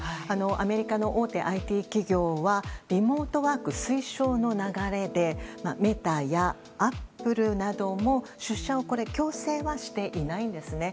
アメリカの大手ＩＴ企業はリモートワーク推奨の流れでメタやアップルなども出社を強制はしていないんですね。